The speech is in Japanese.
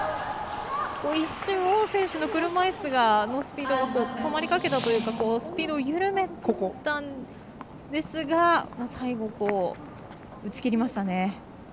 一瞬、王選手の車いすのスピードが止まりかけたというかスピードを緩めたんですが最後、打ち切りましたね。